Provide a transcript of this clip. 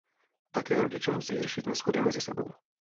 Také rodiče musejí řešit neshody mezi sebou.